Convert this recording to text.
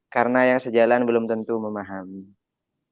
karena yang sejalan belum tentu memahami